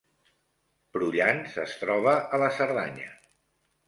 Prullans es troba a la Cerdanya